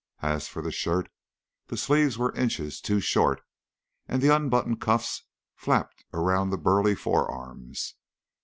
As for the shirt, the sleeves were inches too short, and the unbuttoned cuffs flapped around the burly forearms.